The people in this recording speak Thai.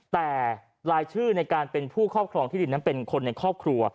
แต่รายชื่อในการเป็นผู้ครอบครองที่ดินนั้นเป็นคนในครอบครัว